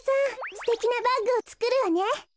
すてきなバッグをつくるわね。